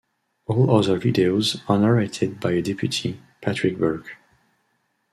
All other videos are narrated by a deputy, Patrick Burke.